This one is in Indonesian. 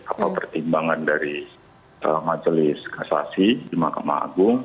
apa pertimbangan dari majelis kasasi di mahkamah agung